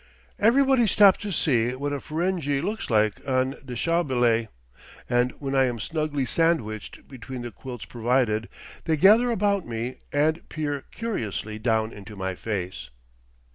Everybody stops to see what a Ferenghi looks like en deshabille, and when I am snugly sandwiched between the quilts provided, they gather about me and peer curiously down into my face.